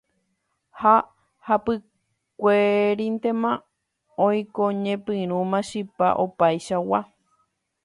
ha hapykuérintema oikóñepyrũma chipa opaichagua